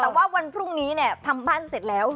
แต่ว่าวันพรุ่งนี้เนี่ยทำบ้านเสร็จแล้ว